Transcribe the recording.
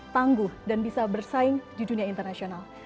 tangguh dan bisa bersaing di dunia internasional